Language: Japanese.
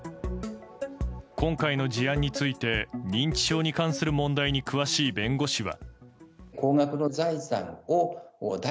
今回の事案について、認知症に関する問題に詳しい弁護士は。